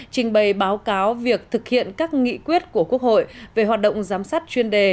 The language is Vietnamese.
trình bày báo cáo việc thực hiện các nghị quyết của quốc hội về hoạt động giám sát chuyên đề